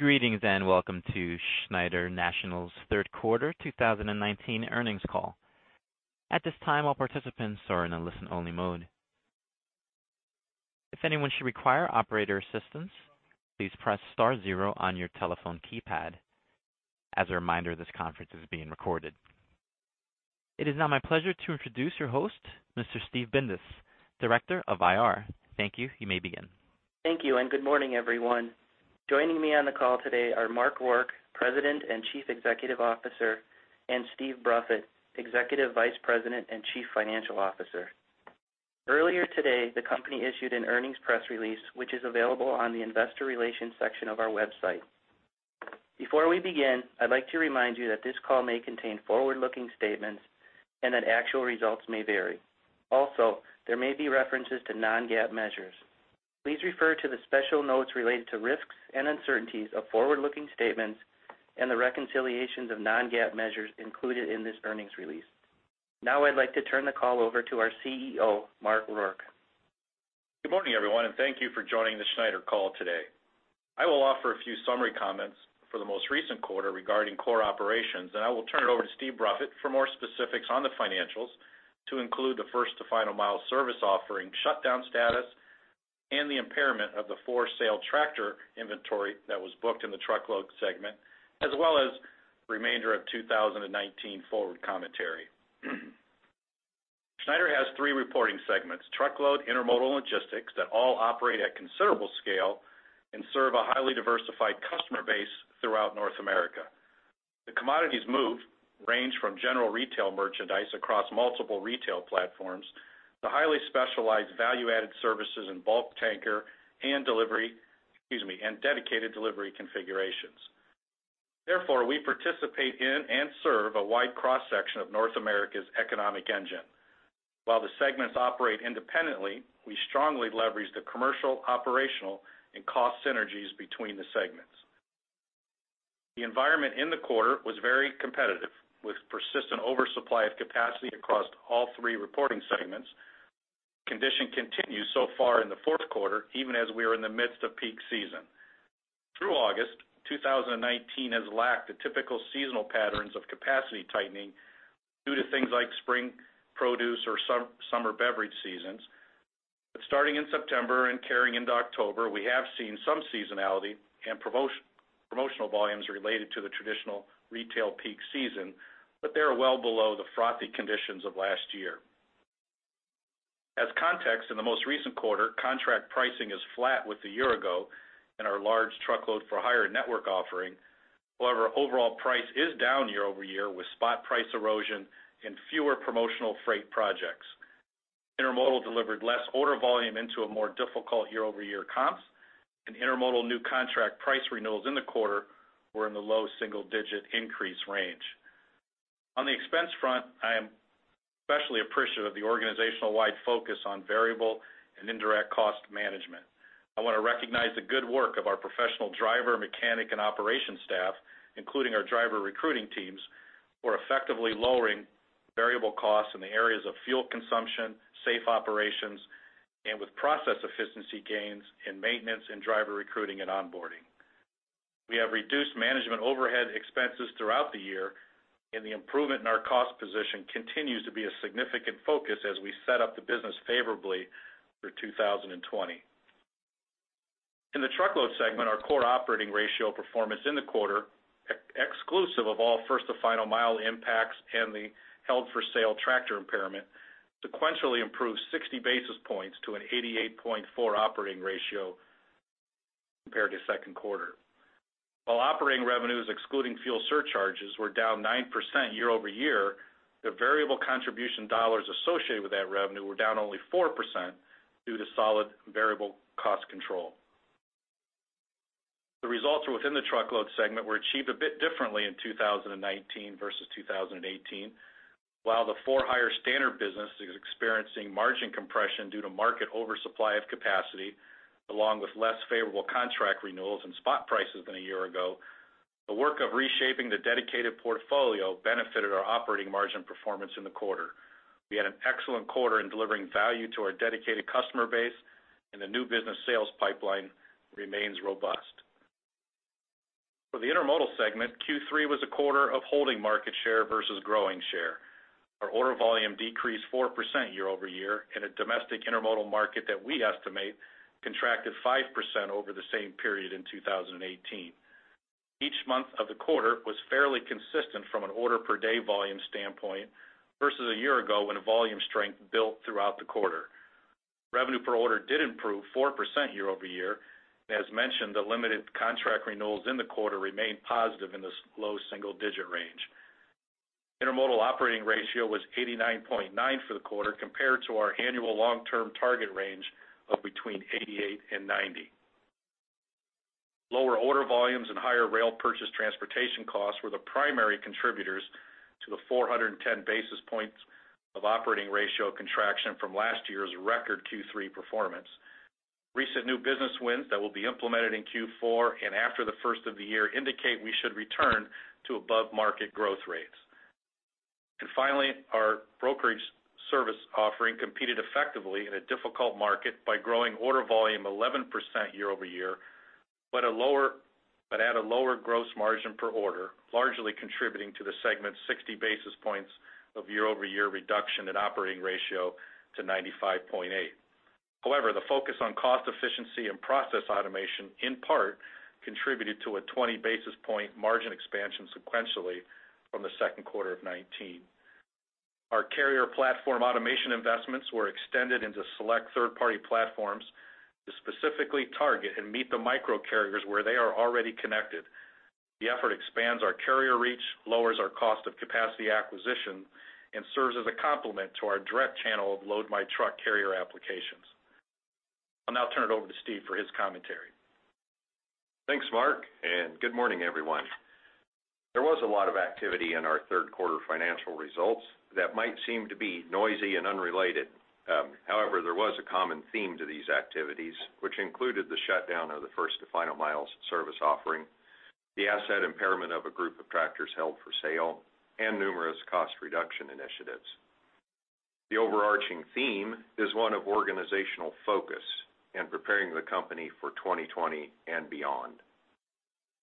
Greetings and welcome to Schneider National's third quarter 2019 earnings call. At this time, all participants are in a listen-only mode. If anyone should require operator assistance, please press star zero on your telephone keypad. As a reminder, this conference is being recorded. It is now my pleasure to introduce your host, Mr. Steve Bindas, Director of IR. Thank you. You may begin. Thank you and good morning, everyone. Joining me on the call today are Mark Rourke, President and Chief Executive Officer, and Steve Bruffett, Executive Vice President and Chief Financial Officer. Earlier today, the company issued an earnings press release, which is available on the investor relations section of our website. Before we begin, I'd like to remind you that this call may contain forward-looking statements and that actual results may vary. Also, there may be references to non-GAAP measures. Please refer to the special notes related to risks and uncertainties of forward-looking statements and the reconciliations of non-GAAP measures included in this earnings release. Now I'd like to turn the call over to our CEO, Mark Rourke. Good morning, everyone, and thank you for joining the Schneider call today. I will offer a few summary comments for the most recent quarter regarding core operations, and I will turn it over to Steve Bruffett for more specifics on the financials to include the First-to-Final Mile service offering, shutdown status, and the impairment of the for-sale tractor inventory that was booked in the truckload segment, as well as the remainder of 2019 forward commentary. Schneider has three reporting segments: Truckload, Intermodal, Logistics that all operate at considerable scale and serve a highly diversified customer base throughout North America. The commodities move range from general retail merchandise across multiple retail platforms to highly specialized value-added services in bulk tanker and delivery, excuse me, and Dedicated Delivery configurations. Therefore, we participate in and serve a wide cross-section of North America's economic engine. While the segments operate independently, we strongly leverage the commercial, operational, and cost synergies between the segments. The environment in the quarter was very competitive, with persistent oversupply of capacity across all 3 reporting segments. The condition continues so far in the fourth quarter, even as we are in the midst of peak season. Through August, 2019 has lacked the typical seasonal patterns of capacity tightening due to things like spring produce or summer beverage seasons. But starting in September and carrying into October, we have seen some seasonality and promotional volumes related to the traditional retail peak season, but they are well below the frothy conditions of last year. As context, in the most recent quarter, contract pricing is flat with the year ago in our large truckload-for-hire network offering. However, overall price is down year-over-year with spot price erosion and fewer promotional freight projects. Intermodal delivered less order volume into a more difficult year-over-year comps, and Intermodal new contract price renewals in the quarter were in the low single-digit increase range. On the expense front, I am especially appreciative of the organizational-wide focus on variable and indirect cost management. I want to recognize the good work of our professional driver, mechanic, and operations staff, including our driver recruiting teams, for effectively lowering variable costs in the areas of fuel consumption, safe operations, and with process efficiency gains in maintenance and driver recruiting and onboarding. We have reduced management overhead expenses throughout the year, and the improvement in our cost position continues to be a significant focus as we set up the business favorably for 2020. In the truckload segment, our core operating ratio performance in the quarter, exclusive of all first-to-final mile impacts and the held-for-sale tractor impairment, sequentially improved 60 basis points to an 88.4 operating ratio compared to second quarter. While operating revenues excluding fuel surcharges were down 9% year-over-year, the variable contribution dollars associated with that revenue were down only 4% due to solid variable cost control. The results within the truckload segment were achieved a bit differently in 2019 versus 2018. While the for-hire business is experiencing margin compression due to market oversupply of capacity, along with less favorable contract renewals and spot prices than a year ago, the work of reshaping the dedicated portfolio benefited our operating margin performance in the quarter. We had an excellent quarter in delivering value to our dedicated customer base, and the new business sales pipeline remains robust. For the intermodal segment, Q3 was a quarter of holding market share versus growing share. Our order volume decreased 4% year-over-year in a domestic intermodal market that we estimate contracted 5% over the same period in 2018. Each month of the quarter was fairly consistent from an order-per-day volume standpoint versus a year ago when volume strength built throughout the quarter. Revenue per order did improve 4% year-over-year, and as mentioned, the limited contract renewals in the quarter remained positive in this low single-digit range. Intermodal operating ratio was 89.9% for the quarter compared to our annual long-term target range of between 88% and 90%. Lower order volumes and higher rail purchase transportation costs were the primary contributors to the 410 basis points of operating ratio contraction from last year's record Q3 performance. Recent new business wins that will be implemented in Q4 and after the first of the year indicate we should return to above-market growth rates. And finally, our brokerage service offering competed effectively in a difficult market by growing order volume 11% year-over-year but at a lower gross margin per order, largely contributing to the segment's 60 basis points of year-over-year reduction in operating ratio to 95.8. However, the focus on cost efficiency and process automation, in part, contributed to a 20 basis point margin expansion sequentially from the second quarter of 2019. Our carrier platform automation investments were extended into select third-party platforms to specifically target and meet the micro carriers where they are already connected. The effort expands our carrier reach, lowers our cost of capacity acquisition, and serves as a complement to our direct channel of Load My Truck carrier applications. I'll now turn it over to Steve for his commentary. Thanks, Mark, and good morning, everyone. There was a lot of activity in our third quarter financial results that might seem to be noisy and unrelated. However, there was a common theme to these activities, which included the shutdown of the first-to-final mile service offering, the asset impairment of a group of tractors held for sale, and numerous cost reduction initiatives. The overarching theme is one of organizational focus and preparing the company for 2020 and beyond.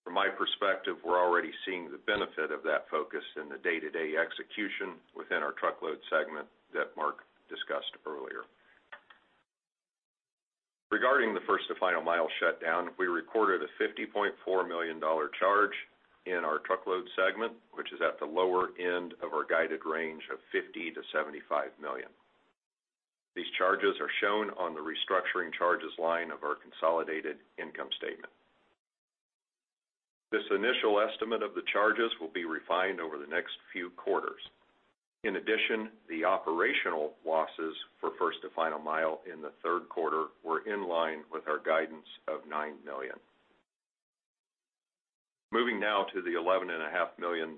From my perspective, we're already seeing the benefit of that focus in the day-to-day execution within our truckload segment that Mark discussed earlier. Regarding the first-to-final mile shutdown, we recorded a $50.4 million charge in our truckload segment, which is at the lower end of our guided range of $50-$75 million. These charges are shown on the restructuring charges line of our consolidated income statement. This initial estimate of the charges will be refined over the next few quarters. In addition, the operational losses for first-to-final mile in the third quarter were in line with our guidance of $9 million. Moving now to the $11.5 million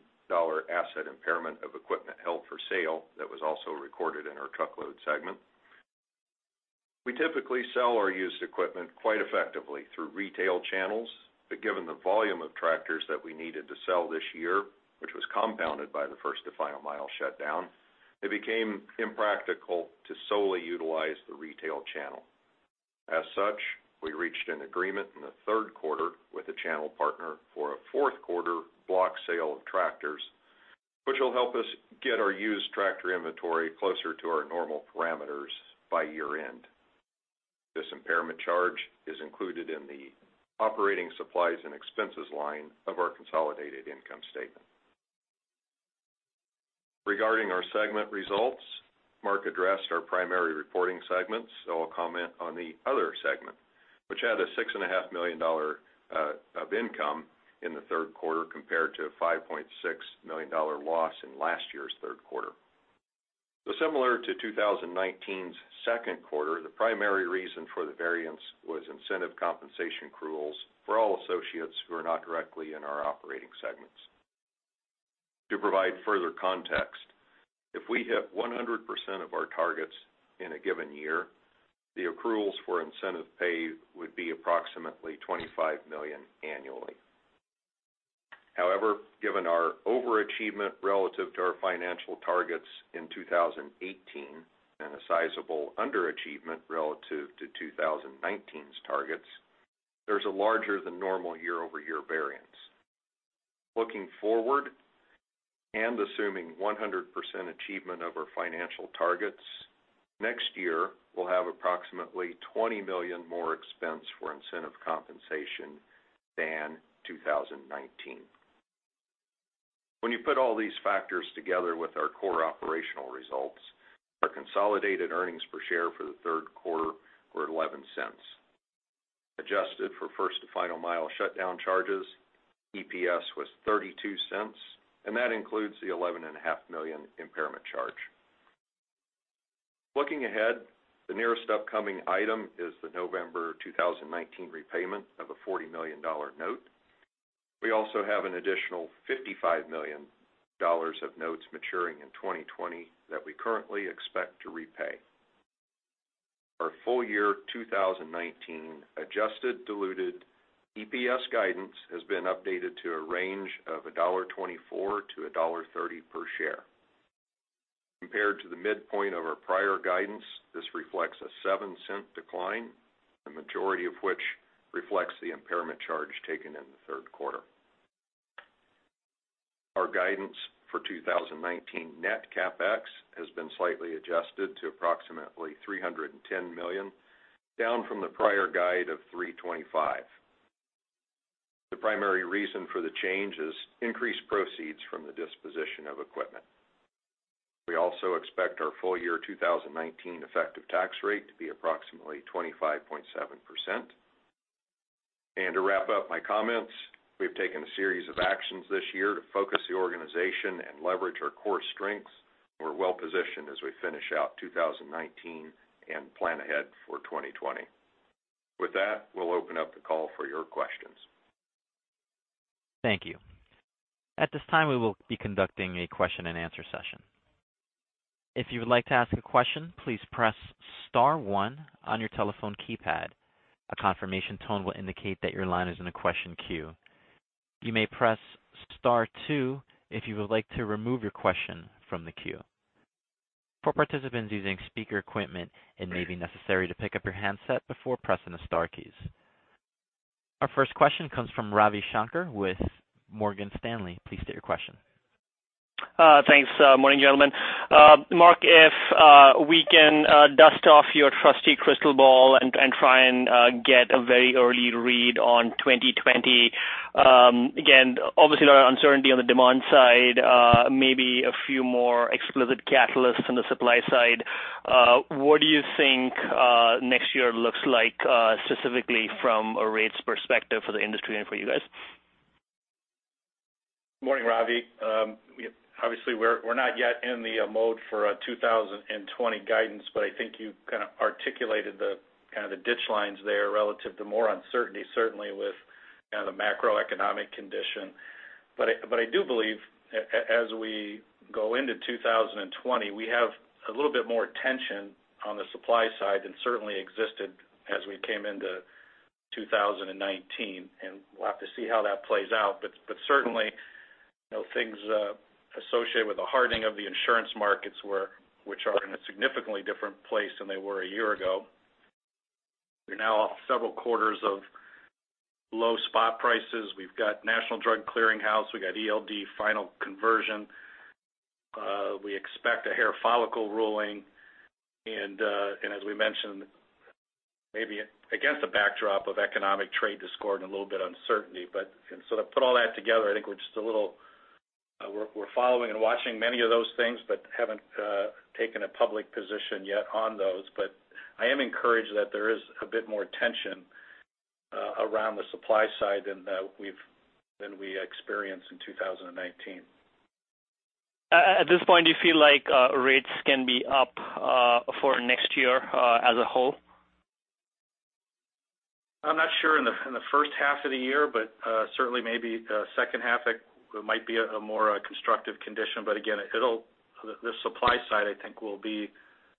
asset impairment of equipment held for sale that was also recorded in our truckload segment. We typically sell our used equipment quite effectively through retail channels, but given the volume of tractors that we needed to sell this year, which was compounded by the first-to-final mile shutdown, it became impractical to solely utilize the retail channel. As such, we reached an agreement in the third quarter with a channel partner for a fourth quarter block sale of tractors, which will help us get our used tractor inventory closer to our normal parameters by year-end. This impairment charge is included in the operating supplies and expenses line of our consolidated income statement. Regarding our segment results, Mark addressed our primary reporting segments, so I'll comment on the other segment, which had a $6.5 million of income in the third quarter compared to a $5.6 million loss in last year's third quarter. So similar to 2019's second quarter, the primary reason for the variance was incentive compensation accruals for all associates who are not directly in our operating segments. To provide further context, if we hit 100% of our targets in a given year, the accruals for incentive pay would be approximately $25 million annually. However, given our overachievement relative to our financial targets in 2018 and a sizable underachievement relative to 2019's targets, there's a larger than normal year-over-year variance. Looking forward and assuming 100% achievement of our financial targets, next year we'll have approximately $20 million more expense for incentive compensation than 2019. When you put all these factors together with our core operational results, our consolidated earnings per share for the third quarter were $0.11. Adjusted for First-to-Final Mile shutdown charges, EPS was $0.32, and that includes the $11.5 million impairment charge. Looking ahead, the nearest upcoming item is the November 2019 repayment of a $40 million note. We also have an additional $55 million of notes maturing in 2020 that we currently expect to repay. Our full year 2019 adjusted diluted EPS guidance has been updated to a range of $1.24-$1.30 per share. Compared to the midpoint of our prior guidance, this reflects a $0.07 decline, the majority of which reflects the impairment charge taken in the third quarter. Our guidance for 2019 net CapEx has been slightly adjusted to approximately $310 million, down from the prior guide of $325. The primary reason for the change is increased proceeds from the disposition of equipment. We also expect our full year 2019 effective tax rate to be approximately 25.7%. And to wrap up my comments, we've taken a series of actions this year to focus the organization and leverage our core strengths. We're well positioned as we finish out 2019 and plan ahead for 2020. With that, we'll open up the call for your questions. Thank you. At this time, we will be conducting a question-and-answer session. If you would like to ask a question, please press star one on your telephone keypad. A confirmation tone will indicate that your line is in a question queue. You may press star two if you would like to remove your question from the queue. For participants using speaker equipment, it may be necessary to pick up your handset before pressing the star keys. Our first question comes from Ravi Shankar with Morgan Stanley. Please state your question. Thanks. Morning, gentlemen. Mark, if we can dust off your trusty crystal ball and try and get a very early read on 2020, again, obviously a lot of uncertainty on the demand side, maybe a few more explicit catalysts on the supply side. What do you think next year looks like specifically from a rates perspective for the industry and for you guys? Morning, Ravi. Obviously, we're not yet in the mode for a 2020 guidance, but I think you kind of articulated kind of the ditch lines there relative to more uncertainty, certainly with kind of the macroeconomic condition. But I do believe as we go into 2020, we have a little bit more tension on the supply side than certainly existed as we came into 2019, and we'll have to see how that plays out. But certainly, things associated with the hardening of the insurance markets, which are in a significantly different place than they were a year ago. We're now off several quarters of low spot prices. We've got National Drug Clearinghouse. We've got ELD final conversion. We expect a hair follicle ruling. And as we mentioned, maybe against the backdrop of economic trade discord and a little bit uncertainty. And so to put all that together, I think we're following and watching many of those things but haven't taken a public position yet on those. But I am encouraged that there is a bit more tension around the supply side than we experienced in 2019. At this point, do you feel like rates can be up for next year as a whole? I'm not sure in the first half of the year, but certainly maybe second half, it might be a more constructive condition. But again, the supply side, I think, will be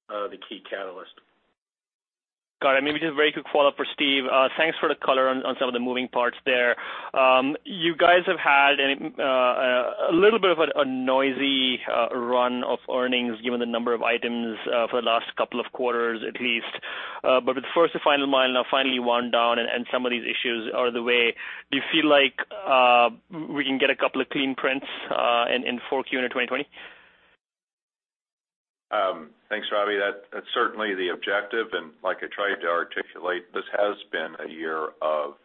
the key catalyst. Got it. Maybe just a very quick follow-up for Steve. Thanks for the color on some of the moving parts there. You guys have had a little bit of a noisy run of earnings given the number of items for the last couple of quarters, at least. But with the First-to-Final Mile now finally worn down and some of these issues out of the way, do you feel like we can get a couple of clean prints in 4Q into 2020? Thanks, Ravi. That's certainly the objective. Like I tried to articulate, this has been a year of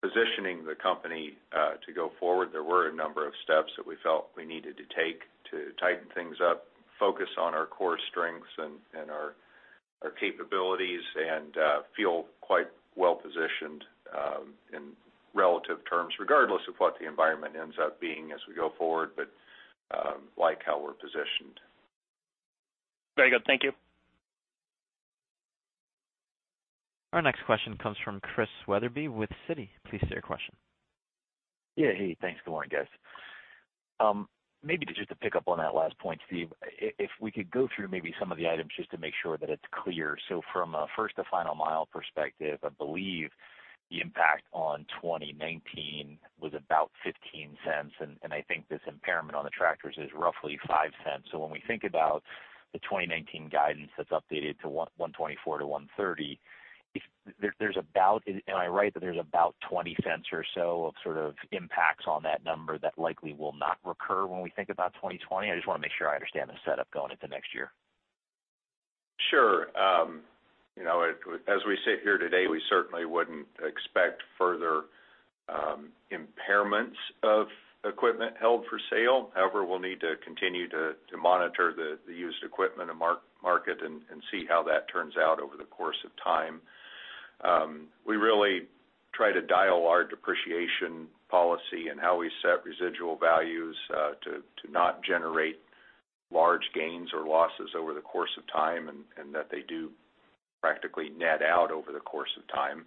positioning the company to go forward. There were a number of steps that we felt we needed to take to tighten things up, focus on our core strengths and our capabilities, and feel quite well positioned in relative terms regardless of what the environment ends up being as we go forward, but like how we're positioned. Very good. Thank you. Our next question comes from Chris Weatherby with Citi. Please state your question. Yeah, hey. Thanks. Good morning, guys. Maybe just to pick up on that last point, Steve, if we could go through maybe some of the items just to make sure that it's clear. So from a First-to-Final Mile perspective, I believe the impact on 2019 was about $0.15, and I think this impairment on the tractors is roughly $0.05. So when we think about the 2019 guidance that's updated to $1.24-$1.30, there's about am I right that there's about $0.20 or so of sort of impacts on that number that likely will not recur when we think about 2020? I just want to make sure I understand the setup going into next year. Sure. As we sit here today, we certainly wouldn't expect further impairments of equipment held for sale. However, we'll need to continue to monitor the used equipment and market and see how that turns out over the course of time. We really try to dial our depreciation policy and how we set residual values to not generate large gains or losses over the course of time and that they do practically net out over the course of time.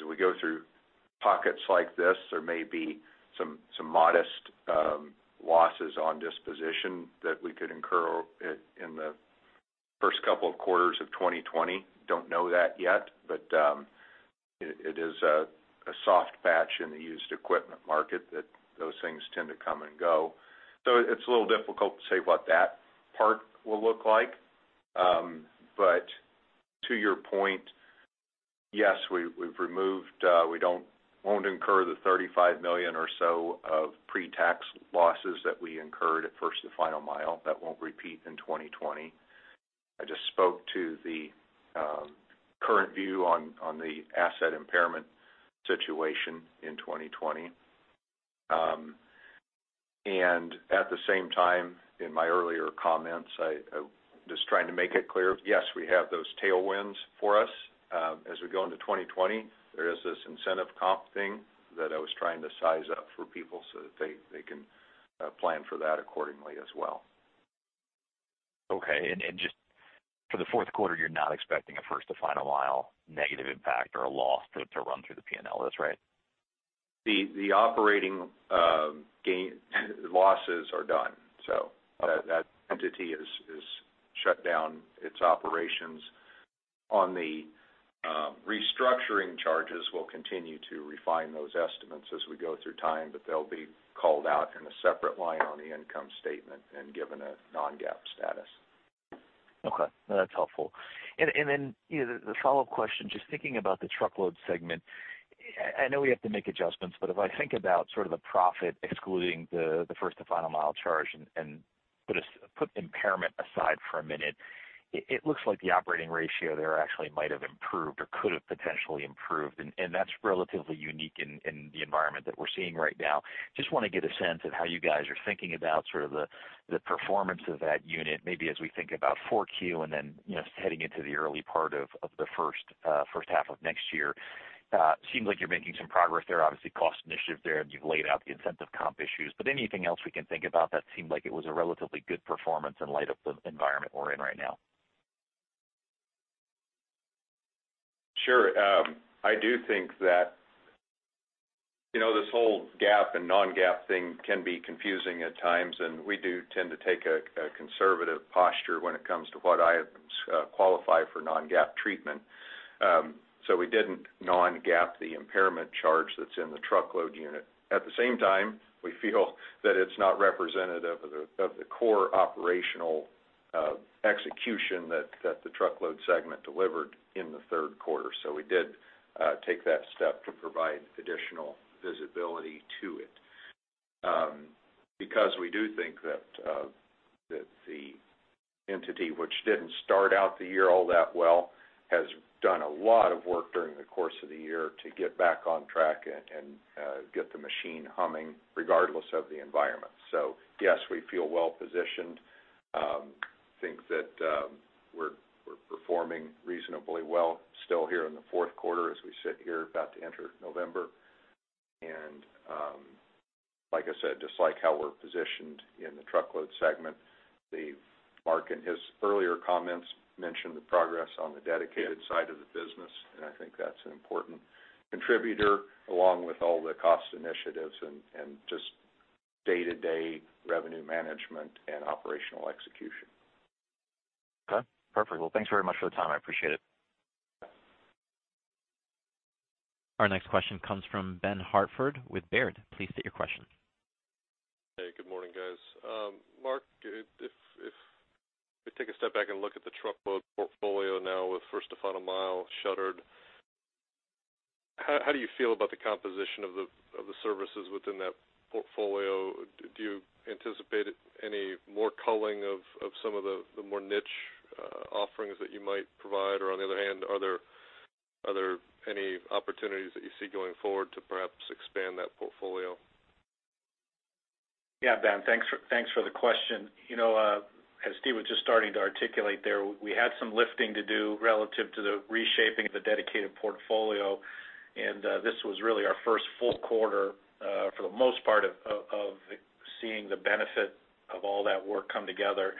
As we go through pockets like this, there may be some modest losses on disposition that we could incur in the first couple of quarters of 2020. Don't know that yet, but it is a soft patch in the used equipment market that those things tend to come and go. So it's a little difficult to say what that part will look like. But to your point, yes, we've removed we won't incur the $35 million or so of pre-tax losses that we incurred at First-to-Final Mile. That won't repeat in 2020. I just spoke to the current view on the asset impairment situation in 2020. And at the same time, in my earlier comments, just trying to make it clear, yes, we have those tailwinds for us. As we go into 2020, there is this incentive comp thing that I was trying to size up for people so that they can plan for that accordingly as well. Okay. And just for the fourth quarter, you're not expecting a First-to-Final Mile negative impact or a loss to run through the P&L. That's right? The operating losses are done. That entity has shut down its operations. On the restructuring charges, we'll continue to refine those estimates as we go through time, but they'll be called out in a separate line on the income statement and given a non-GAAP status. Okay. That's helpful. And then the follow-up question, just thinking about the Truckload segment, I know we have to make adjustments, but if I think about sort of the profit excluding the First-to-Final Mile charge and put impairment aside for a minute, it looks like the operating ratio there actually might have improved or could have potentially improved, and that's relatively unique in the environment that we're seeing right now. Just want to get a sense of how you guys are thinking about sort of the performance of that unit. Maybe as we think about 4Q and then heading into the early part of the first half of next year, seems like you're making some progress there. Obviously, cost initiative there, and you've laid out the incentive comp issues. But anything else we can think about that seemed like it was a relatively good performance in light of the environment we're in right now? Sure. I do think that this whole GAAP and non-GAAP thing can be confusing at times, and we do tend to take a conservative posture when it comes to what items qualify for non-GAAP treatment. So we didn't non-GAAP the impairment charge that's in the truckload unit. At the same time, we feel that it's not representative of the core operational execution that the truckload segment delivered in the third quarter. So we did take that step to provide additional visibility to it because we do think that the entity, which didn't start out the year all that well, has done a lot of work during the course of the year to get back on track and get the machine humming regardless of the environment. So yes, we feel well positioned. think that we're performing reasonably well still here in the fourth quarter as we sit here about to enter November. Like I said, just like how we're positioned in the truckload segment, Mark in his earlier comments mentioned the progress on the dedicated side of the business, and I think that's an important contributor along with all the cost initiatives and just day-to-day revenue management and operational execution. Okay. Perfect. Well, thanks very much for the time. I appreciate it. Bye. Our next question comes from Ben Hartford with Baird. Please state your question. Hey. Good morning, guys. Mark, if we take a step back and look at the truckload portfolio now with First-to-Final Mile shuttered, how do you feel about the composition of the services within that portfolio? Do you anticipate any more culling of some of the more niche offerings that you might provide? Or on the other hand, are there any opportunities that you see going forward to perhaps expand that portfolio? Yeah, Ben. Thanks for the question. As Steve was just starting to articulate there, we had some lifting to do relative to the reshaping of the dedicated portfolio, and this was really our first full quarter for the most part of seeing the benefit of all that work come together.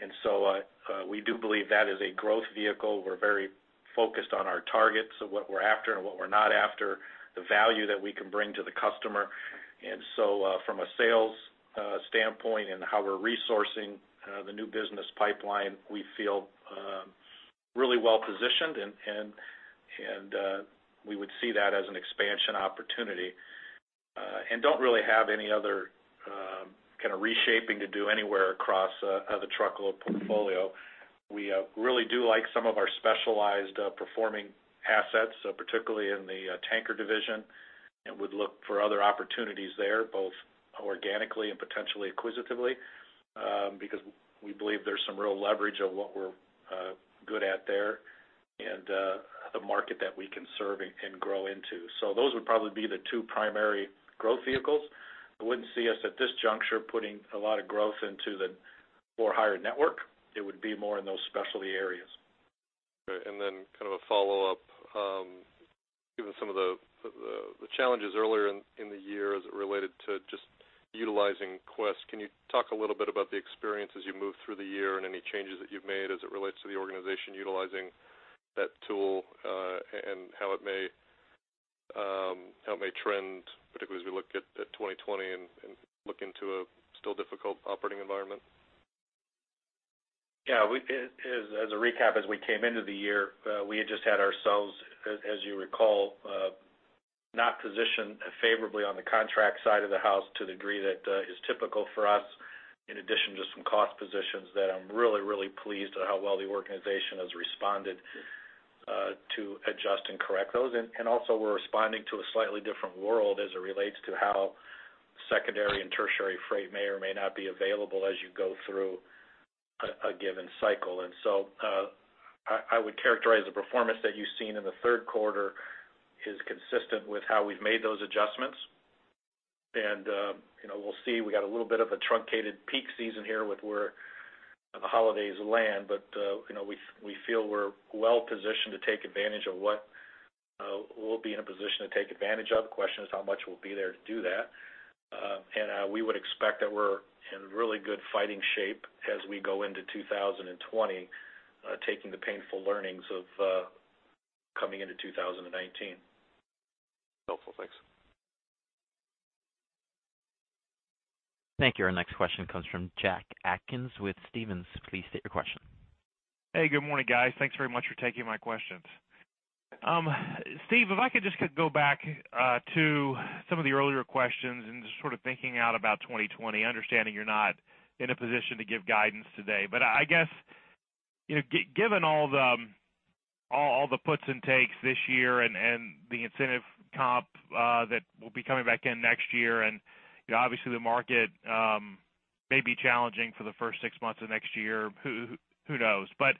And so we do believe that is a growth vehicle. We're very focused on our targets of what we're after and what we're not after, the value that we can bring to the customer. And so from a sales standpoint and how we're resourcing the new business pipeline, we feel really well positioned, and we would see that as an expansion opportunity. And don't really have any other kind of reshaping to do anywhere across the truckload portfolio. We really do like some of our specialized performing assets, particularly in the tanker division, and would look for other opportunities there, both organically and potentially acquisitively, because we believe there's some real leverage of what we're good at there and the market that we can serve and grow into. So those would probably be the two primary growth vehicles. I wouldn't see us at this juncture putting a lot of growth into the more higher network. It would be more in those specialty areas. Okay. And then kind of a follow-up, given some of the challenges earlier in the year as it related to just utilizing Quest, can you talk a little bit about the experience as you move through the year and any changes that you've made as it relates to the organization utilizing that tool and how it may trend, particularly as we look at 2020 and look into a still difficult operating environment? Yeah. As a recap, as we came into the year, we had just had ourselves, as you recall, not positioned favorably on the contract side of the house to the degree that is typical for us, in addition to some cost positions that I'm really, really pleased at how well the organization has responded to adjust and correct those. Also, we're responding to a slightly different world as it relates to how secondary and tertiary freight may or may not be available as you go through a given cycle. So I would characterize the performance that you've seen in the third quarter is consistent with how we've made those adjustments. And we'll see. We got a little bit of a truncated peak season here with where the holidays land, but we feel we're well positioned to take advantage of what we'll be in a position to take advantage of. The question is how much we'll be there to do that. And we would expect that we're in really good fighting shape as we go into 2020, taking the painful learnings of coming into 2019. Helpful. Thanks. Thank you. Our next question comes from Jack Atkins with Stephens. Please state your question. Hey. Good morning, guys. Thanks very much for taking my questions. Steve, if I could just go back to some of the earlier questions and just sort of thinking out about 2020, understanding you're not in a position to give guidance today. But I guess given all the puts and takes this year and the incentive comp that will be coming back in next year and obviously, the market may be challenging for the first six months of next year, who knows? But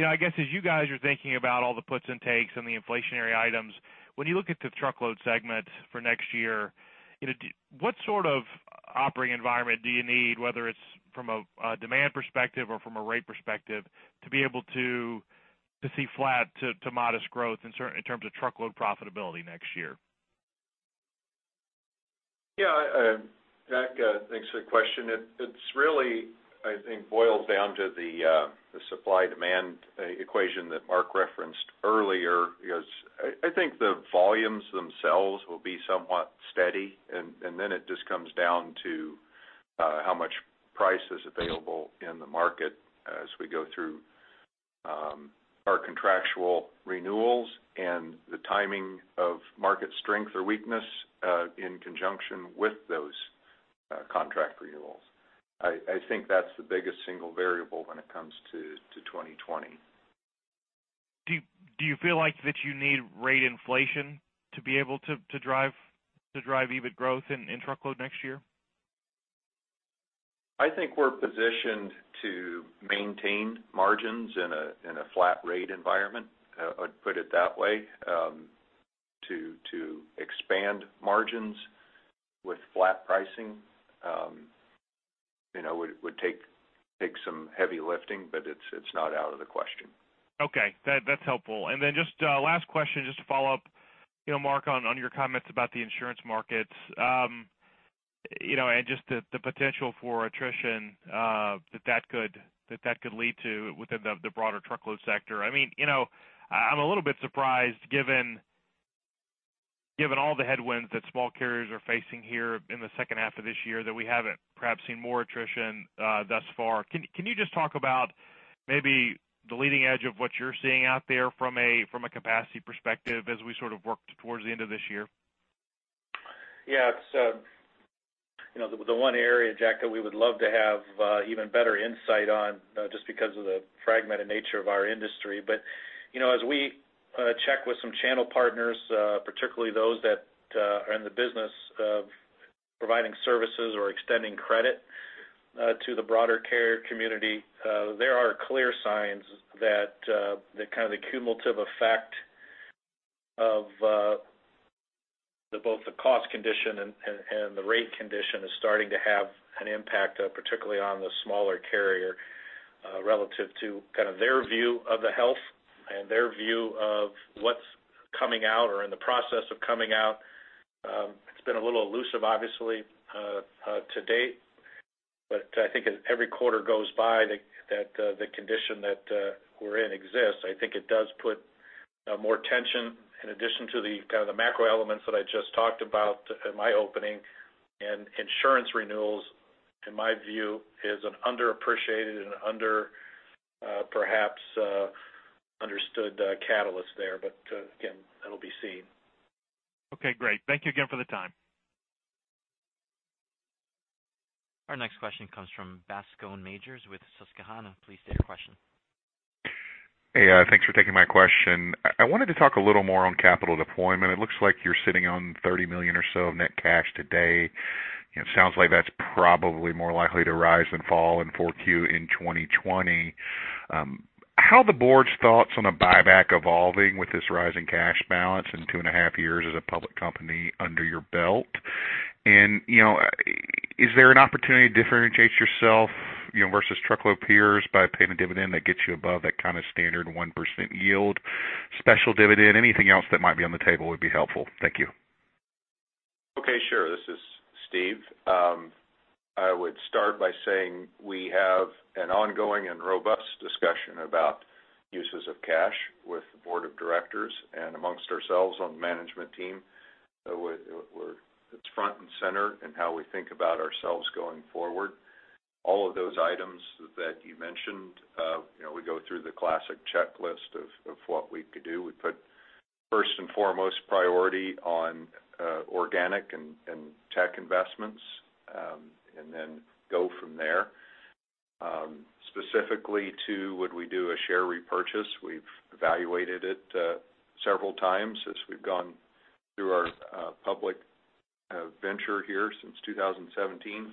I guess as you guys are thinking about all the puts and takes and the inflationary items, when you look at the truckload segment for next year, what sort of operating environment do you need, whether it's from a demand perspective or from a rate perspective, to be able to see flat to modest growth in terms of truckload profitability next year? Yeah. Jack, thanks for the question. It really, I think, boils down to the supply-demand equation that Mark referenced earlier because I think the volumes themselves will be somewhat steady, and then it just comes down to how much price is available in the market as we go through our contractual renewals and the timing of market strength or weakness in conjunction with those contract renewals. I think that's the biggest single variable when it comes to 2020. Do you feel like that you need rate inflation to be able to drive even growth in truckload next year? I think we're positioned to maintain margins in a flat rate environment, I'd put it that way. To expand margins with flat pricing would take some heavy lifting, but it's not out of the question. Okay. That's helpful. And then just last question, just to follow up, Mark, on your comments about the insurance markets and just the potential for attrition that that could lead to within the broader truckload sector. I mean, I'm a little bit surprised given all the headwinds that small carriers are facing here in the second half of this year that we haven't perhaps seen more attrition thus far. Can you just talk about maybe the leading edge of what you're seeing out there from a capacity perspective as we sort of work towards the end of this year? Yeah. It's the one area, Jack, that we would love to have even better insight on just because of the fragmented nature of our industry. But as we check with some channel partners, particularly those that are in the business of providing services or extending credit to the broader carrier community, there are clear signs that kind of the cumulative effect of both the cost condition and the rate condition is starting to have an impact, particularly on the smaller carrier, relative to kind of their view of the health and their view of what's coming out or in the process of coming out. It's been a little elusive, obviously, to date, but I think as every quarter goes by, that the condition that we're in exists. I think it does put more tension in addition to the kind of the macro elements that I just talked about in my opening. And insurance renewals, in my view, is an underappreciated and under, perhaps, understood catalyst there. But again, that'll be seen. Okay. Great. Thank you again for the time. Our next question comes from Bascome Majors with Susquehanna. Please state your question. Hey. Thanks for taking my question. I wanted to talk a little more on capital deployment. It looks like you're sitting on $30 million or so of net cash today. Sounds like that's probably more likely to rise than fall in 4Q in 2020. How are the board's thoughts on a buyback evolving with this rising cash balance in two and a half years as a public company under your belt? And is there an opportunity to differentiate yourself versus truckload peers by paying a dividend that gets you above that kind of standard 1% yield, special dividend? Anything else that might be on the table would be helpful. Thank you. Okay. Sure. This is Steve. I would start by saying we have an ongoing and robust discussion about uses of cash with the board of directors and among ourselves on the management team. It's front and center in how we think about ourselves going forward. All of those items that you mentioned, we go through the classic checklist of what we could do. We put first and foremost priority on organic and tech investments and then go from there. Specifically, too, would we do a share repurchase? We've evaluated it several times as we've gone through our public venture here since 2017.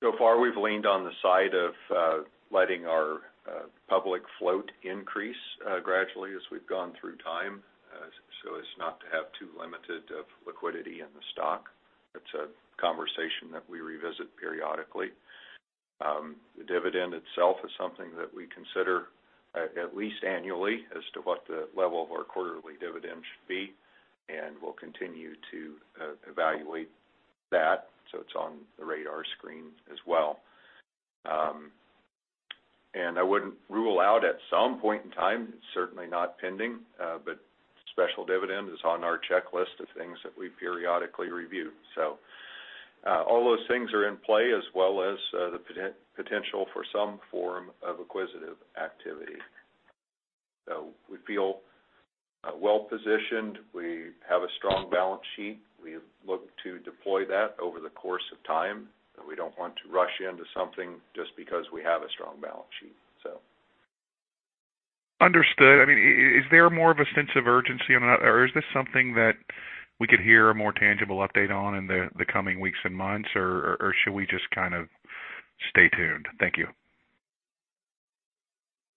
So far, we've leaned on the side of letting our public float increase gradually as we've gone through time, so as not to have too limited of liquidity in the stock. That's a conversation that we revisit periodically. The dividend itself is something that we consider at least annually as to what the level of our quarterly dividend should be, and we'll continue to evaluate that. So it's on the radar screen as well. And I wouldn't rule out at some point in time - it's certainly not pending - but special dividend is on our checklist of things that we periodically review. So all those things are in play as well as the potential for some form of acquisitive activity. So we feel well positioned. We have a strong balance sheet. We look to deploy that over the course of time. We don't want to rush into something just because we have a strong balance sheet, so. Understood. I mean, is there more of a sense of urgency on that, or is this something that we could hear a more tangible update on in the coming weeks and months, or should we just kind of stay tuned? Thank you.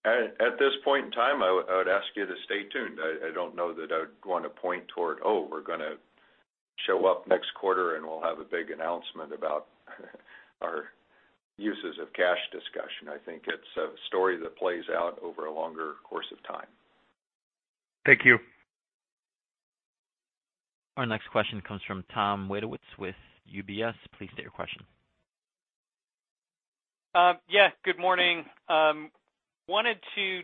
At this point in time, I would ask you to stay tuned. I don't know that I'd want to point toward, "Oh, we're going to show up next quarter, and we'll have a big announcement about our uses of cash discussion." I think it's a story that plays out over a longer course of time. Thank you. Our next question comes from Tom Wadewitz with UBS. Please state your question. Yeah. Good morning. Wanted to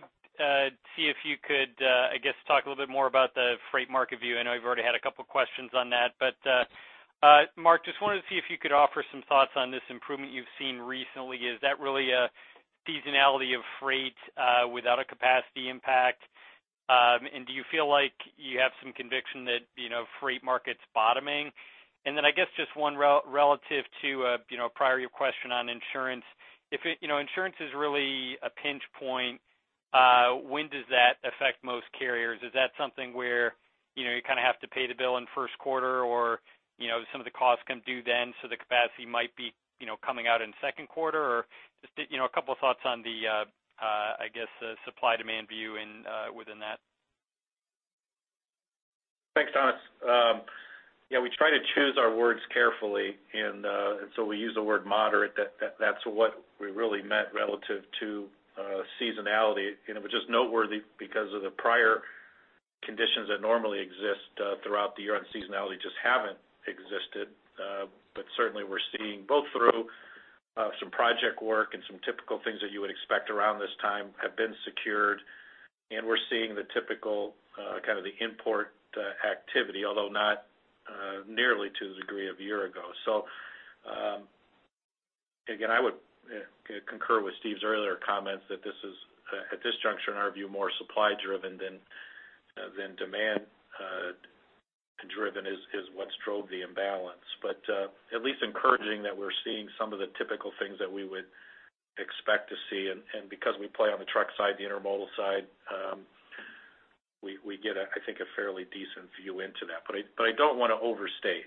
see if you could, I guess, talk a little bit more about the freight market view. I know you've already had a couple of questions on that. But Mark, just wanted to see if you could offer some thoughts on this improvement you've seen recently. Is that really a seasonality of freight without a capacity impact? And do you feel like you have some conviction that freight market's bottoming? And then I guess just one relative to a prior question on insurance. If insurance is really a pinch point, when does that affect most carriers? Is that something where you kind of have to pay the bill in first quarter, or some of the costs come due then, so the capacity might be coming out in second quarter? Or just a couple of thoughts on the, I guess, supply-demand view within that. Thanks, Thomas. Yeah. We try to choose our words carefully, and so we use the word moderate. That's what we really meant relative to seasonality. It was just noteworthy because of the prior conditions that normally exist throughout the year. Unseasonality just haven't existed. But certainly, we're seeing both through some project work and some typical things that you would expect around this time have been secured, and we're seeing the typical kind of the import activity, although not nearly to the degree of a year ago. So again, I would concur with Steve's earlier comments that this is, at this juncture in our view, more supply-driven than demand-driven is what strove the imbalance. But at least encouraging that we're seeing some of the typical things that we would expect to see. Because we play on the truck side, the intermodal side, we get, I think, a fairly decent view into that. But I don't want to overstate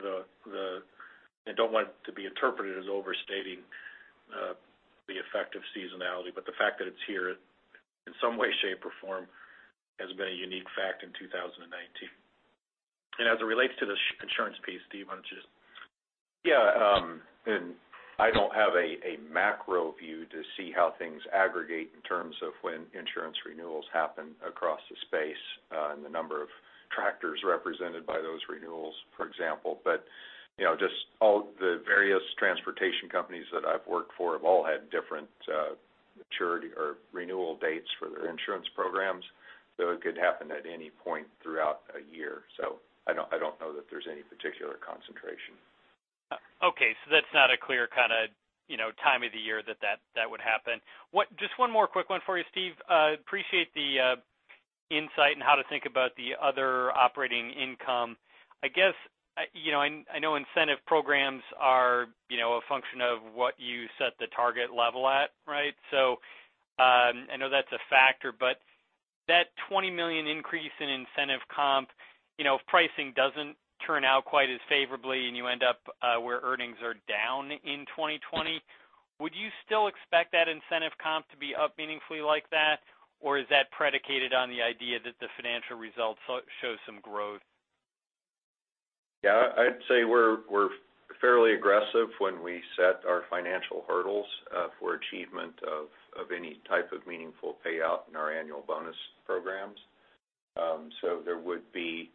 that and don't want it to be interpreted as overstating the effect of seasonality, but the fact that it's here in some way, shape, or form has been a unique fact in 2019. And as it relates to the insurance piece, Steve, I wanted to just. Yeah. And I don't have a macro view to see how things aggregate in terms of when insurance renewals happen across the space and the number of tractors represented by those renewals, for example. But just all the various transportation companies that I've worked for have all had different maturity or renewal dates for their insurance programs. So it could happen at any point throughout a year. So I don't know that there's any particular concentration. Okay. So that's not a clear kind of time of the year that that would happen. Just one more quick one for you, Steve. Appreciate the insight and how to think about the other operating income. I guess I know incentive programs are a function of what you set the target level at, right? So I know that's a factor, but that $20 million increase in incentive comp, if pricing doesn't turn out quite as favorably and you end up where earnings are down in 2020, would you still expect that incentive comp to be up meaningfully like that, or is that predicated on the idea that the financial results show some growth? Yeah. I'd say we're fairly aggressive when we set our financial hurdles for achievement of any type of meaningful payout in our annual bonus programs. So there would be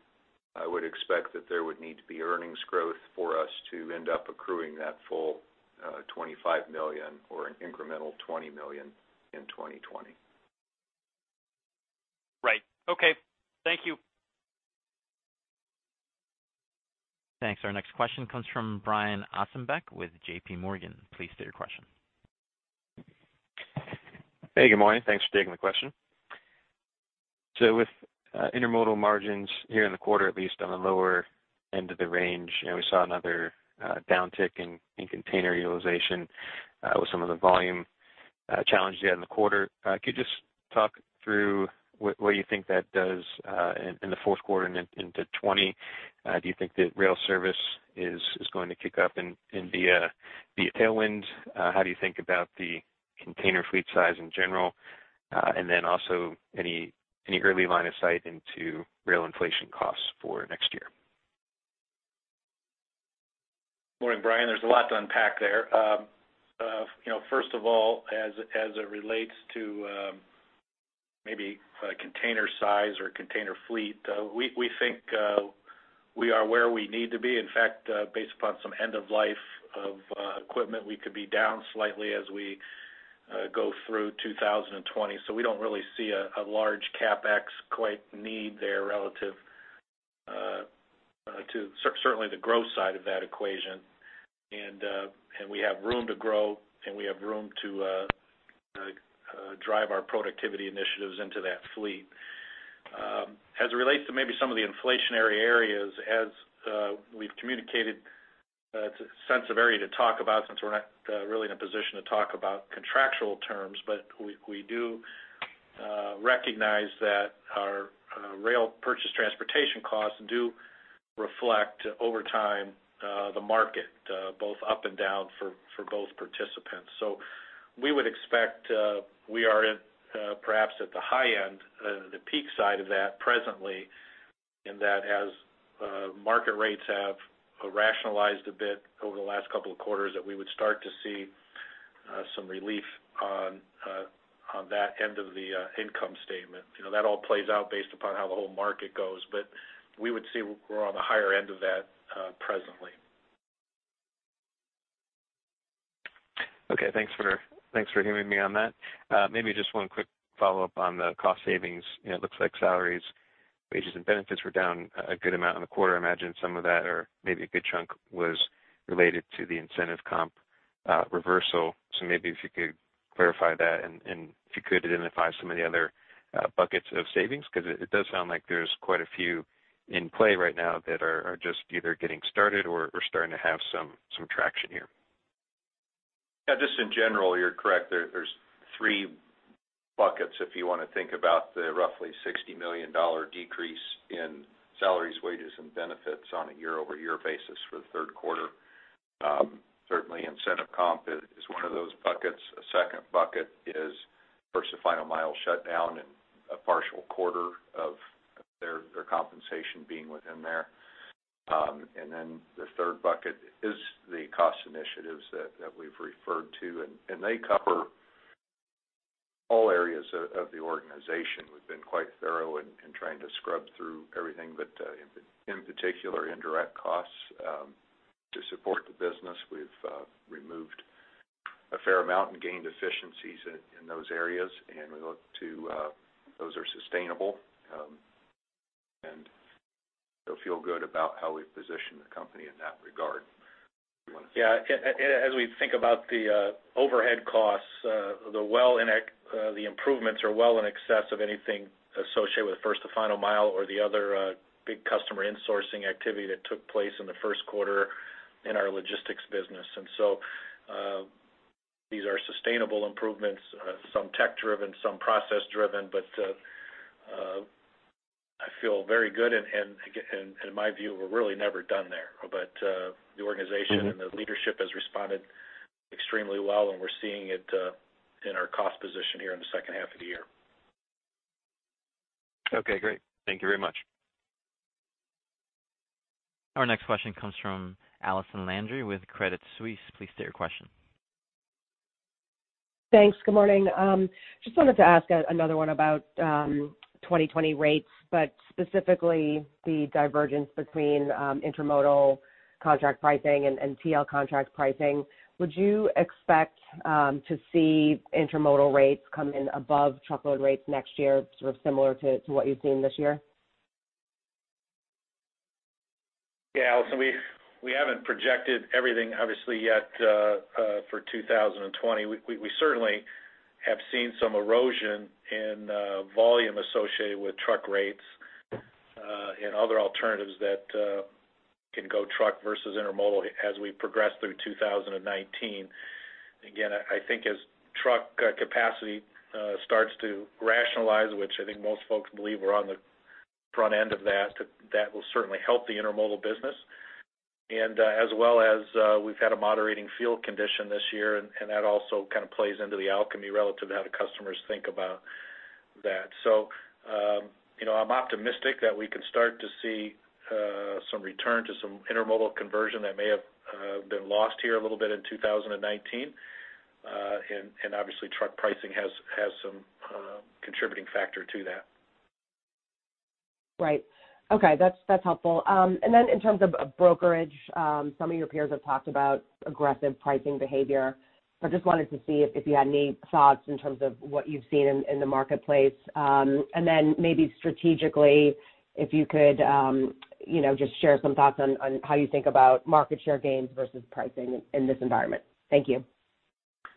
I would expect that there would need to be earnings growth for us to end up accruing that full $25 million or an incremental $20 million in 2020. Right. Okay. Thank you. Thanks. Our next question comes from Brian Ossenbeck with J.P. Morgan. Please state your question. Hey. Good morning. Thanks for taking the question. So with intermodal margins here in the quarter, at least on the lower end of the range, we saw another downtick in container utilization with some of the volume challenges you had in the quarter. Could you just talk through what you think that does in the fourth quarter and into 2020? Do you think that rail service is going to kick up and be a tailwind? How do you think about the container fleet size in general? And then also any early line of sight into rail inflation costs for next year? Morning, Brian. There's a lot to unpack there. First of all, as it relates to maybe container size or container fleet, we think we are where we need to be. In fact, based upon some end-of-life of equipment, we could be down slightly as we go through 2020. So we don't really see a large CapEx requirement there relative to certainly the growth side of that equation. And we have room to grow, and we have room to drive our productivity initiatives into that fleet. As it relates to maybe some of the inflationary areas, as we've communicated, it's a sensitive area to talk about since we're not really in a position to talk about contractual terms. But we do recognize that our rail purchased transportation costs do reflect, over time, the market both up and down for both participants. We would expect we are perhaps at the high end, the peak side of that presently, in that as market rates have rationalized a bit over the last couple of quarters, that we would start to see some relief on that end of the income statement. That all plays out based upon how the whole market goes, but we would see we're on the higher end of that presently. Okay. Thanks for hearing me on that. Maybe just one quick follow-up on the cost savings. It looks like salaries, wages, and benefits were down a good amount in the quarter. I imagine some of that, or maybe a good chunk, was related to the incentive comp reversal. So maybe if you could clarify that and if you could identify some of the other buckets of savings because it does sound like there's quite a few in play right now that are just either getting started or starting to have some traction here. Yeah. Just in general, you're correct. There are three buckets if you want to think about the roughly $60 million decrease in salaries, wages, and benefits on a year-over-year basis for the third quarter. Certainly, incentive comp is one of those buckets. A second bucket is First-to-Final Mile shutdown and a partial quarter of their compensation being within there. And then the third bucket is the cost initiatives that we've referred to. And they cover all areas of the organization. We've been quite thorough in trying to scrub through everything, but in particular, indirect costs to support the business. We've removed a fair amount and gained efficiencies in those areas, and we look to those are sustainable and feel good about how we've positioned the company in that regard. Do you want to say? Yeah. And as we think about the overhead costs, the improvements are well in excess of anything associated withFirst to Final Mile or the other big customer insourcing activity that took place in the first quarter in our logistics business. And so these are sustainable improvements, some tech-driven, some process-driven, but I feel very good. And in my view, we're really never done there. But the organization and the leadership has responded extremely well, and we're seeing it in our cost position here in the second half of the year. Okay. Great. Thank you very much. Our next question comes from Allison Landry with Credit Suisse. Please state your question. Thanks. Good morning. Just wanted to ask another one about 2020 rates, but specifically the divergence between intermodal contract pricing and TL contract pricing. Would you expect to see intermodal rates come in above truckload rates next year, sort of similar to what you've seen this year? Yeah. Allison, we haven't projected everything, obviously, yet for 2020. We certainly have seen some erosion in volume associated with truck rates and other alternatives that can go truck versus intermodal as we progress through 2019. Again, I think as truck capacity starts to rationalize, which I think most folks believe we're on the front end of that, that will certainly help the intermodal business. And as well as we've had a moderating fuel condition this year, and that also kind of plays into the alchemy relative to how the customers think about that. So I'm optimistic that we can start to see some return to some intermodal conversion that may have been lost here a little bit in 2019. And obviously, truck pricing has some contributing factor to that. Right. Okay. That's helpful. And then in terms of brokerage, some of your peers have talked about aggressive pricing behavior. I just wanted to see if you had any thoughts in terms of what you've seen in the marketplace. And then maybe strategically, if you could just share some thoughts on how you think about market share gains versus pricing in this environment. Thank you.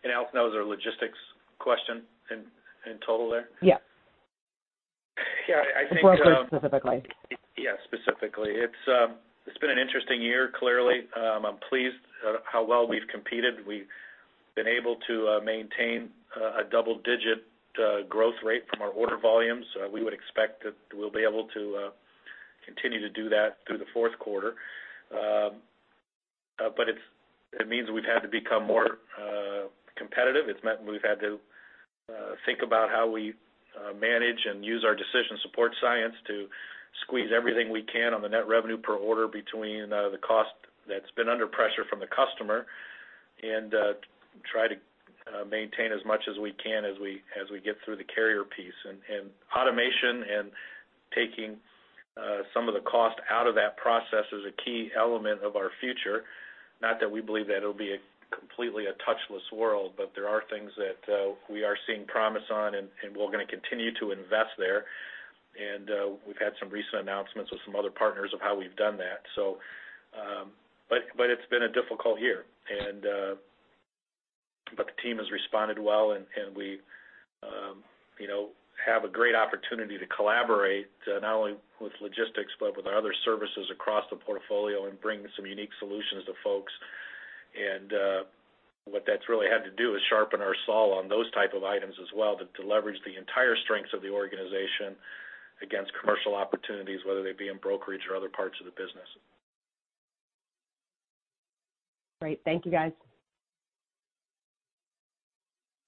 Allison has a logistics question in total there? Yeah. Yeah. I think. Brokerage specifically. Yeah. Specifically. It's been an interesting year, clearly. I'm pleased how well we've competed. We've been able to maintain a double-digit growth rate from our order volumes. We would expect that we'll be able to continue to do that through the fourth quarter. But it means we've had to become more competitive. It's meant we've had to think about how we manage and use our decision support science to squeeze everything we can on the net revenue per order between the cost that's been under pressure from the customer and try to maintain as much as we can as we get through the carrier piece. And automation and taking some of the cost out of that process is a key element of our future. Not that we believe that it'll be completely a touchless world, but there are things that we are seeing promise on, and we're going to continue to invest there. And we've had some recent announcements with some other partners of how we've done that, so. But it's been a difficult year. But the team has responded well, and we have a great opportunity to collaborate not only with logistics but with our other services across the portfolio and bring some unique solutions to folks. And what that's really had to do is sharpen our saw on those type of items as well to leverage the entire strengths of the organization against commercial opportunities, whether they be in brokerage or other parts of the business. Great. Thank you, guys.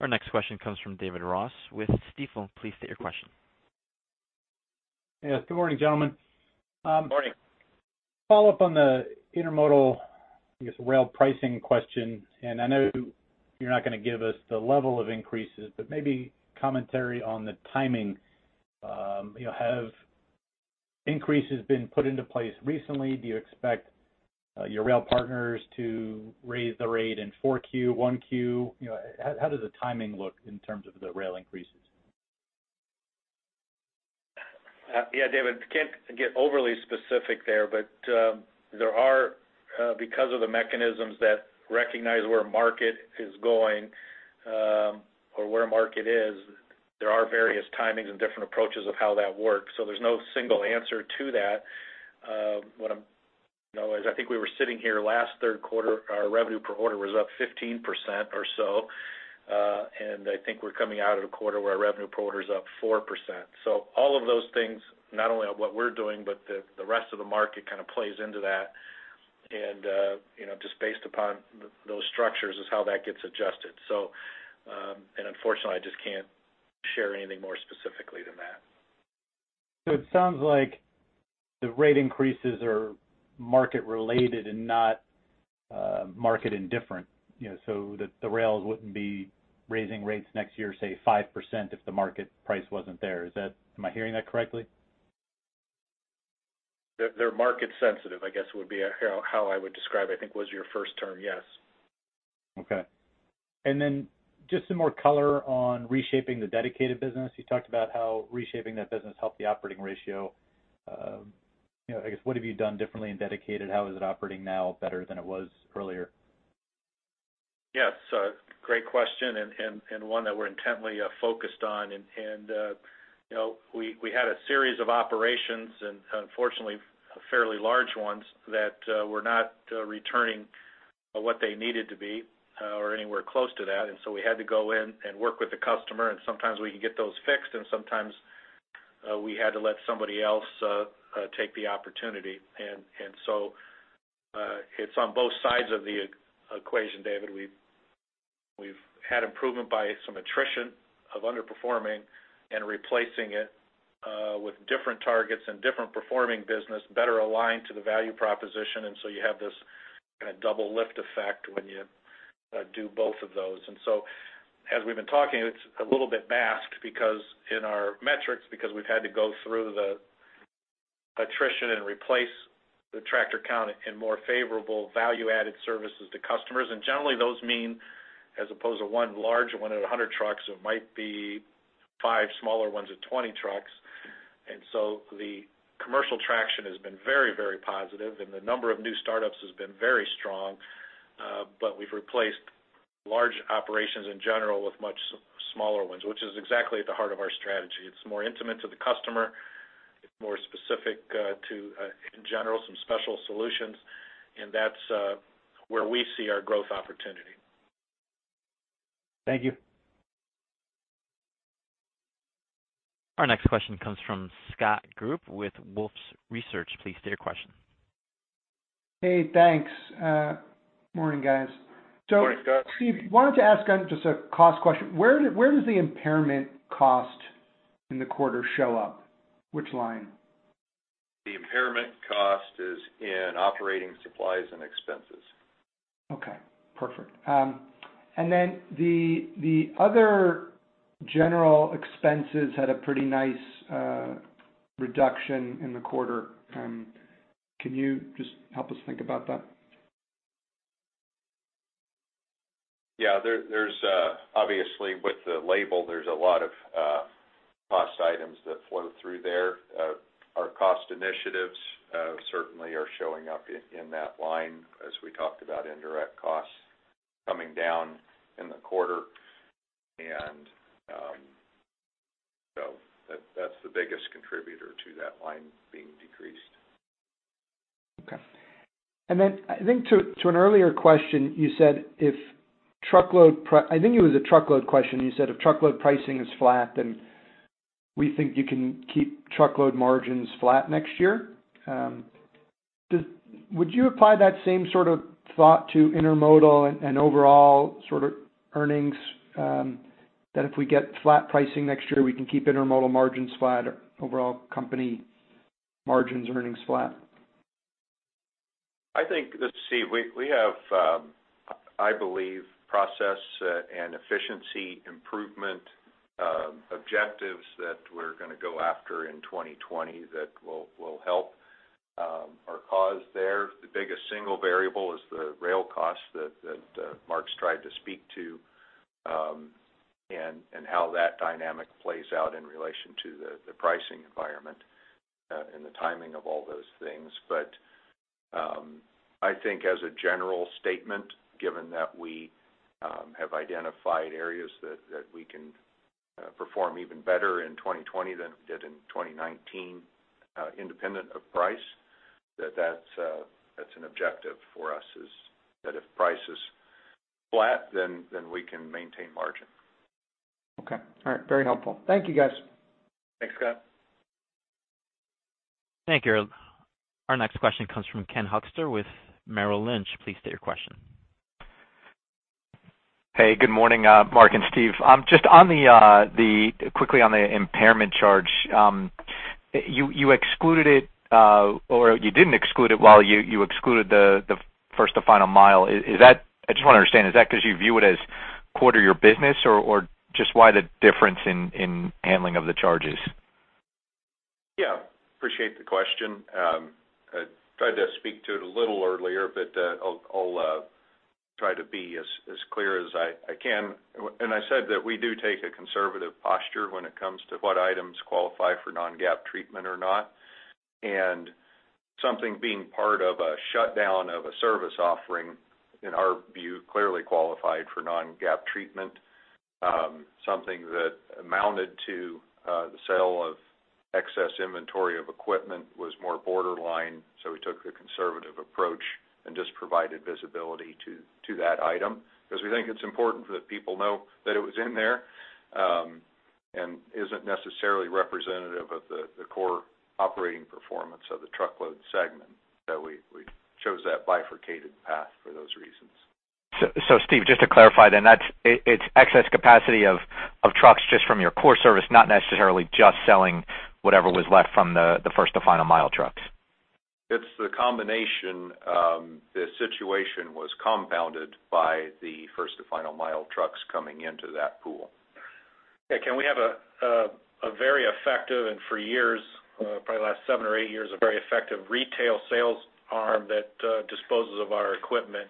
Our next question comes from David Ross with Stifel. Please state your question. Yeah. Good morning, gentlemen. Morning. Follow-up on the intermodal, I guess, rail pricing question. I know you're not going to give us the level of increases, but maybe commentary on the timing. Have increases been put into place recently? Do you expect your rail partners to raise the rate in 4Q, 1Q? How does the timing look in terms of the rail increases? Yeah, David. Can't get overly specific there, but there are because of the mechanisms that recognize where market is going or where market is, there are various timings and different approaches of how that works. So there's no single answer to that. As I think we were sitting here last third quarter, our revenue per order was up 15% or so. And I think we're coming out of the quarter where our revenue per order is up 4%. So all of those things, not only on what we're doing, but the rest of the market kind of plays into that. And just based upon those structures is how that gets adjusted, so. And unfortunately, I just can't share anything more specifically than that. So it sounds like the rate increases are market-related and not market-indifferent, so that the rails wouldn't be raising rates next year, say, 5% if the market price wasn't there. Am I hearing that correctly? They're market-sensitive, I guess, would be how I would describe. I think was your first term, yes. Okay. And then just some more color on reshaping the dedicated business. You talked about how reshaping that business helped the operating ratio. I guess, what have you done differently in dedicated? How is it operating now better than it was earlier? Yes. Great question and one that we're intently focused on. And we had a series of operations, and unfortunately, fairly large ones that were not returning what they needed to be or anywhere close to that. And so we had to go in and work with the customer. And sometimes we could get those fixed, and sometimes we had to let somebody else take the opportunity. And so it's on both sides of the equation, David. We've had improvement by some attrition of underperforming and replacing it with different targets and different performing business better aligned to the value proposition. And so you have this kind of double-lift effect when you do both of those. And so as we've been talking, it's a little bit masked in our metrics because we've had to go through the attrition and replace the tractor count in more favorable value-added services to customers. Generally, those mean, as opposed to one large one at 100 trucks, it might be five smaller ones at 20 trucks. So the commercial traction has been very, very positive, and the number of new startups has been very strong. But we've replaced large operations in general with much smaller ones, which is exactly at the heart of our strategy. It's more intimate to the customer. It's more specific to, in general, some special solutions. And that's where we see our growth opportunity. Thank you. Our next question comes from Scott Group with Wolfe Research. Please state your question. Hey. Thanks. Morning, guys. So. Morning, Scott. Steve, wanted to ask just a cost question. Where does the impairment cost in the quarter show up? Which line? The impairment cost is in operating supplies and expenses. Okay. Perfect. And then the other general expenses had a pretty nice reduction in the quarter. Can you just help us think about that? Yeah. Obviously, with the label, there's a lot of cost items that flow through there. Our cost initiatives certainly are showing up in that line as we talked about indirect costs coming down in the quarter. And so that's the biggest contributor to that line being decreased. Okay. And then I think to an earlier question, you said if truckload I think it was a truckload question. You said if truckload pricing is flat, then we think you can keep truckload margins flat next year. Would you apply that same sort of thought to intermodal and overall sort of earnings that if we get flat pricing next year, we can keep intermodal margins flat, overall company margins, earnings flat? I think, Steve, we have, I believe, process and efficiency improvement objectives that we're going to go after in 2020 that will help our cause there. The biggest single variable is the rail costs that Mark's tried to speak to and how that dynamic plays out in relation to the pricing environment and the timing of all those things. But I think as a general statement, given that we have identified areas that we can perform even better in 2020 than we did in 2019 independent of price, that that's an objective for us is that if price is flat, then we can maintain margin. Okay. All right. Very helpful. Thank you, guys. Thanks, Scott. Thank you, Eric. Our next question comes from Ken Hoexter with Merrill Lynch. Please state your question. Hey. Good morning, Mark and Steve. Just quickly on the impairment charge, you excluded it or you didn't exclude it while you excluded the First-to-Final Mile. I just want to understand, is that because you view it as core to your business or just why the difference in handling of the charges? Yeah. Appreciate the question. I tried to speak to it a little earlier, but I'll try to be as clear as I can. And I said that we do take a conservative posture when it comes to what items qualify for non-GAAP treatment or not. And something being part of a shutdown of a service offering, in our view, clearly qualified for non-GAAP treatment. Something that amounted to the sale of excess inventory of equipment was more borderline. So we took the conservative approach and just provided visibility to that item because we think it's important that people know that it was in there and isn't necessarily representative of the core operating performance of the truckload segment. So we chose that bifurcated path for those reasons. So, Steve, just to clarify then, it's excess capacity of trucks just from your core service, not necessarily just selling whatever was left from the First-to-Final Mile trucks? It's the combination. The situation was compounded by the First-to-Final Mile trucks coming into that pool. Yeah. Can we have a very effective and for years, probably the last seven or eight years, a very effective retail sales arm that disposes of our equipment?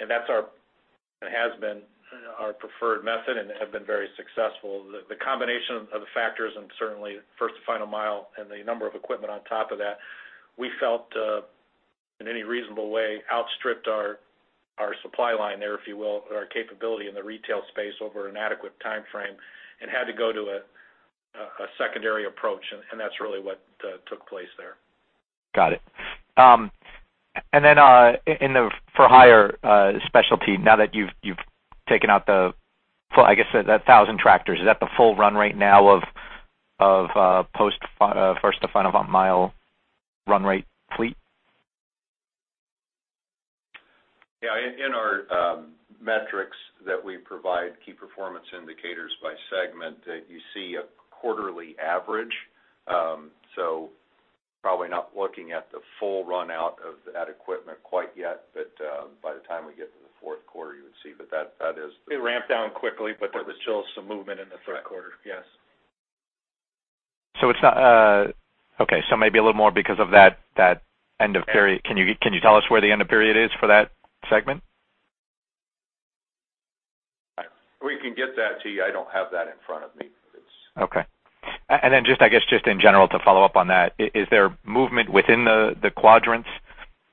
And that's our and has been our preferred method and has been very successful. The combination of the factors and certainly First-to-Final Mile and the number of equipment on top of that, we felt, in any reasonable way, outstripped our supply line there, if you will, or our capability in the retail space over an adequate timeframe and had to go to a secondary approach. And that's really what took place there. Got it. And then For-Hire Specialty, now that you've taken out the full, I guess, that 1,000 tractors, is that the full run rate now of post-First-to-Final Mile run rate fleet? Yeah. In our metrics that we provide, key performance indicators by segment, you see a quarterly average. So probably not looking at the full runout of that equipment quite yet, but by the time we get to the fourth quarter, you would see. But that is. It ramped down quickly, but there was still some movement in the third quarter. Yes. It's not okay. Maybe a little more because of that end of period. Can you tell us where the end of period is for that segment? We can get that to you. I don't have that in front of me. Okay. And then just, I guess, just in general to follow up on that, is there movement within the quadrants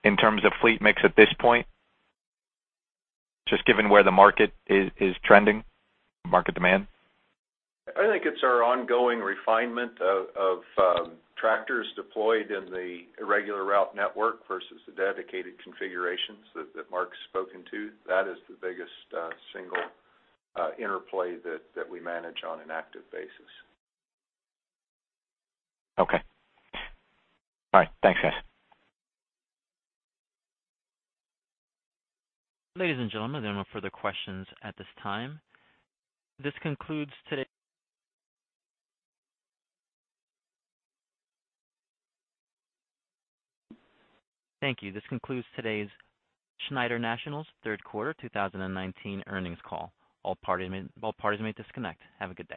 in terms of fleet mix at this point, just given where the market is trending, market demand? I think it's our ongoing refinement of tractors deployed in the regular route network versus the dedicated configurations that Mark's spoken to. That is the biggest single interplay that we manage on an active basis. Okay. All right. Thanks, guys. Ladies and gentlemen, there are no further questions at this time. This concludes today's thank you. This concludes today's Schneider National's third quarter 2019 earnings call. All parties may disconnect. Have a good day.